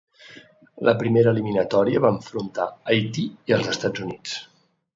La primera eliminatòria va enfrontar Haití i els Estats Units.